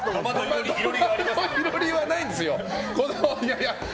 囲炉裏はないんですよ。